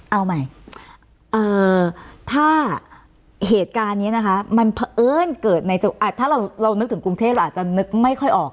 เอาใหม่ถ้าเหตุการณ์นี้นะคะมันเผอิญเกิดในถ้าเรานึกถึงกรุงเทพเราอาจจะนึกไม่ค่อยออก